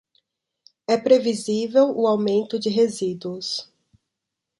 É previsível o aumento de resíduos.